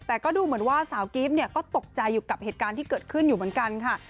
แต่ก็ดูเหมือนว่าสาวกิฟต์เนี่ยก็ตกใจอยู่กับเหตุการณ์ที่เกิดขึ้นอยู่เหมือนกันค่ะ